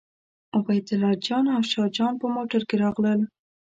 عبیدالله جان او شاه جان په موټر کې راغلل.